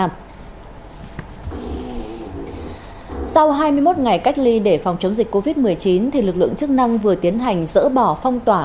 sau hai mươi một ngày cách ly để phòng chống dịch covid một mươi chín lực lượng chức năng vừa tiến hành dỡ bỏ phong tỏa